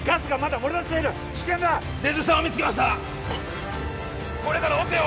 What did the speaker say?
ゴホッこれからオペを！